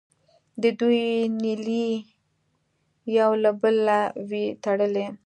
د دوی نیلې یو له بله وې تړلې.